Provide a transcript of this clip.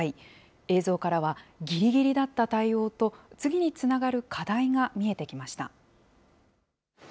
映像からは、ぎりぎりだった対応と、次につながる課題が見えてきました。